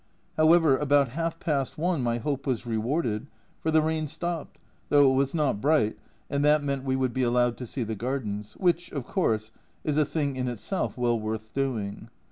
However, about half past one my hope was rewarded, for the rain stopped, though it was not bright, and that meant we would be allowed to see the gardens, which, of course, is a thing in itself well worth doing.